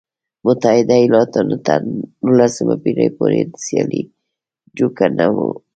متحده ایالتونه تر نولسمې پېړۍ پورې د سیالۍ جوګه نه و.